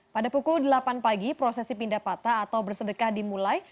pada pukul delapan pagi prosesi pindah patah atau bersedekah dimulai